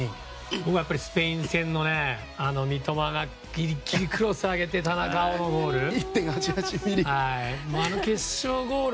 僕はスペイン戦の三笘がギリギリのクロスを上げて田中碧のゴール。